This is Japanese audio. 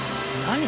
何？